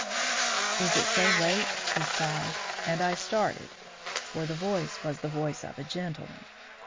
"'Is it so late?' he sighed; and I started, for the voice was the voice of a gentleman.